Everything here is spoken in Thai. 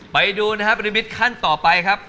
ไปดูนะครับปริมิตขั้นต่อไปครับ